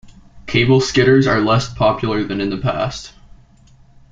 Cable skidders are less popular than in the past.